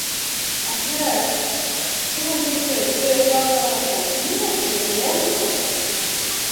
Әхирәт... һеҙҙең күрше, теге ҡарт алаша, нимә эшләй, беләһеңме?